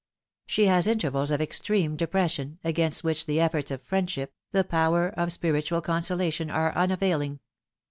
She has intervals of extreme depression, against which the efforts of friendship, the power of spiritual consolation, are unavailing.